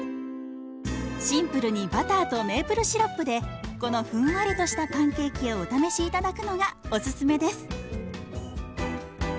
シンプルにバターとメープルシロップでこのふんわりとしたパンケーキをお試し頂くのがお勧めです！